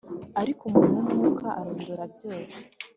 Ariko umuntu w'Umwuka arondora byose,